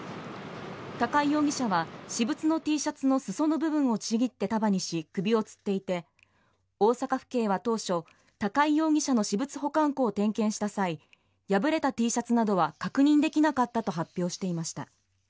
高井容疑者は私物のＴシャツの裾の部分をちぎって束にし首をつっていて大阪府警は当初高井容疑者の私物保管庫を点検した際破れたＴシャツなどは確認できなかったと発表していました。